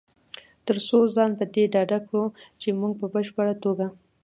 تر څو ځان په دې ډاډه کړو چې مونږ په بشپړ توګه